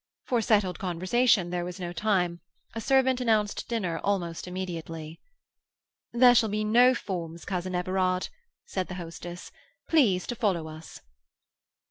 For settled conversation there was no time; a servant announced dinner almost immediately. "There shall be no forms, cousin Everard," said the hostess. "Please to follow us."